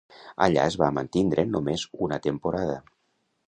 Allà es va mantindre només una temporada.